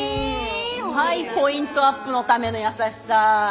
はいポイントアップのための優しさ。